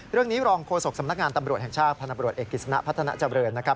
เรื่องนี้รองโฆษกสำนักงานตำรวจแห่งชาติพันธบรวจเอกกิจสนะพัฒนาเจริญนะครับ